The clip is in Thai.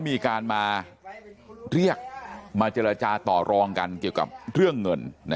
มีการมาเรียกมาเจรจาต่อรองกันเกี่ยวกับเรื่องเงิน